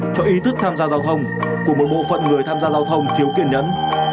cho ý thức tham gia giao thông của một bộ phận người tham gia giao thông thiếu kiên nhẫn